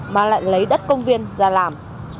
mà lại lấy đất công viên ra làm